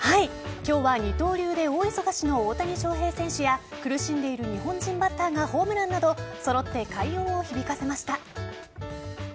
今日は二刀流で大忙しの大谷翔平選手や苦しんでいる日本人バッターがホームランなど揃って快音を響かせました。